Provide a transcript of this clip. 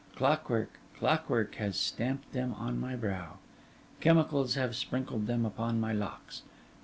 Clockwork, clockwork has stamped them on my brow—chemicals have sprinkled them upon my locks!